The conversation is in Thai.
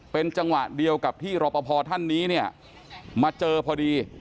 เป็นจังหวะเดียวกับที่รอปภท่านนี้เนี่ยมาเจอพอดี